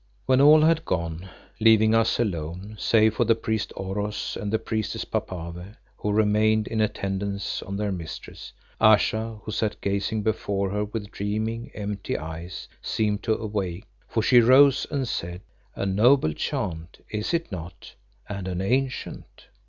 When all had gone, leaving us alone, save for the priest Oros and the priestess Papave, who remained in attendance on their mistress, Ayesha, who sat gazing before her with dreaming, empty eyes, seemed to awake, for she rose and said "A noble chant, is it not, and an ancient?